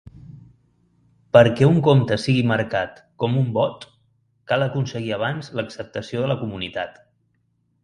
Perquè un compte sigui marcat com un bot cal aconseguir abans l'acceptació de la comunitat.